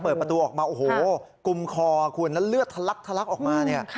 เปิดประตูออกมาโอ้โหกุมคอคุณแล้วเลือดทะลักทะลักออกมาเนี่ย